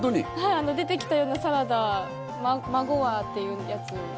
出てきたようなサラダ「まごわ」というやつ。